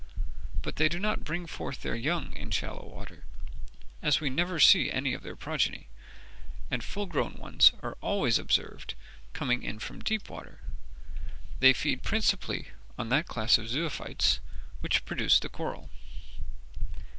But they do not bring forth their young in shallow water, as we never see any of their progeny, and full grown ones are always observed coming in from deep water. They feed principally on that class of zoophytes which produce the coral.